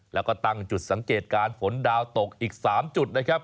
แล้วก็ตั้งจุดสังเกตการณ์ฝนดาวตกอีก๓จุดนะครับ